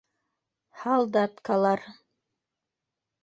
Һалдаткалар